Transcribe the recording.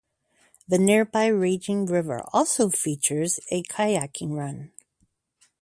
The nearby Raging River also features a kayaking run.